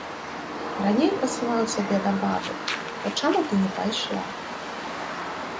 Раней пасылаў цябе да бабы, то чаму ты не пайшла?